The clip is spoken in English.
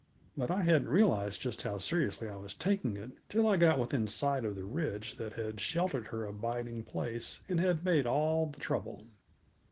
But I hadn't realized just how seriously I was taking it, till I got within sight of the ridge that had sheltered her abiding place and had made all the trouble.